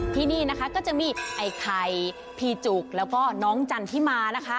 ที่นี่นะคะก็จะมีไอ้ไข่พี่จุกแล้วก็น้องจันทิมานะคะ